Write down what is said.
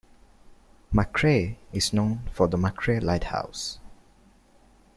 McCrae is known for the McCrae Lighthouse.